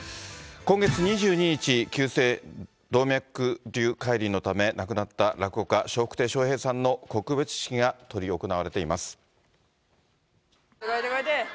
今月２２日、急性動脈りゅうかい離のため、亡くなった落語家、笑福亭笑瓶さんの告別式が執り行われています。